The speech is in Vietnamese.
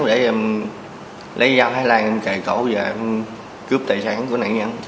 để em lấy dao thái lan em kề cổ và em cướp tài sản của nạn nhân